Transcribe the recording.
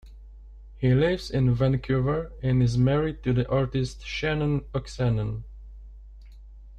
He lives in Vancouver and is married to the artist Shannon Oksanen.